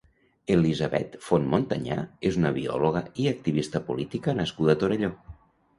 Elisabet Font Montanyà és una biòloga i activista política nascuda a Torelló.